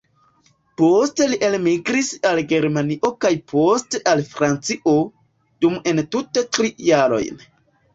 Poste li elmigris al Germanio kaj poste al Francio, dum entute tri jarojn.